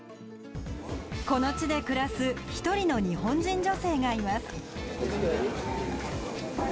この地で暮らす１人の日本人女性がいます。